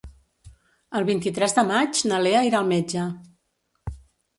El vint-i-tres de maig na Lea irà al metge.